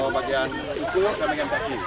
bagian ujung dan bagian bagi